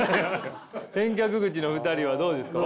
返却口の２人はどうですか？